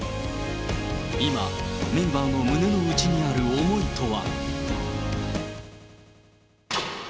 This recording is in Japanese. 今、メンバーの胸の内にある思いとは。